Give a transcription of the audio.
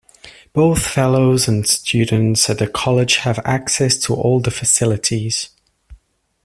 Both Fellows and students at the college have access to all the facilities.